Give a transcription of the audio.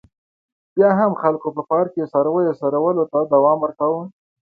بیا هم خلکو په پارک کې څارویو څرولو ته دوام ورکاوه.